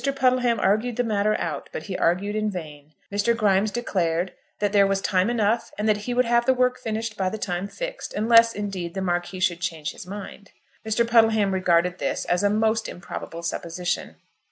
Puddleham argued the matter out, but he argued in vain. Mr. Grimes declared that there was time enough, and that he would have the work finished by the time fixed, unless, indeed, the Marquis should change his mind. Mr. Puddleham regarded this as a most improbable supposition.